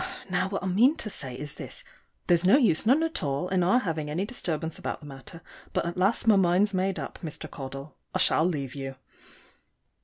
Now, what I mean to say is this: there's no use, none at all, in our having any disturbance about the matter; but at last my mind's made up, Mr. Caudle; I shall leave you.